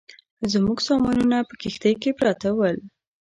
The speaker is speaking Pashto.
زموږ سامانونه په کښتۍ کې پراته ول.